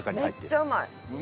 めっちゃうまい！